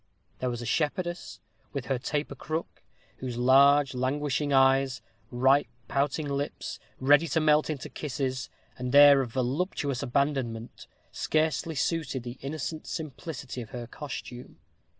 There was a shepherdess, with her taper crook, whose large, languishing eyes, ripe pouting lips, ready to melt into kisses, and air of voluptuous abandonment, scarcely suited the innocent simplicity of her costume.